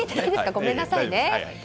ごめんなさいね。